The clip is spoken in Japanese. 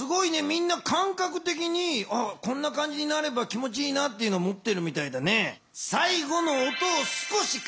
みんなかんかくてきにこんな感じになれば気もちいいなっていうのもってるみたいだね。